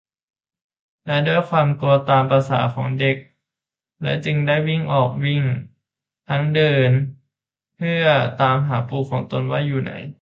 และด้วยความกลัวตามประสาของเด็ก และจึงได้ออกวิ่ง ทั้งเดินเพื่อตามหาปู่ของตนว่าอยู่ไหน